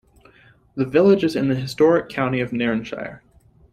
The village is in the Historic County of Nairnshire.